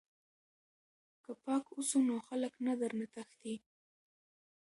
که پاک اوسو نو خلک نه درنه تښتي.